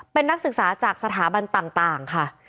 เป็นนักศึกษาจากสถาบันต่างค่ะ